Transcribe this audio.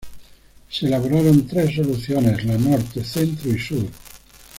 Se elaboraron tres soluciones: la Norte, Centro y Sur.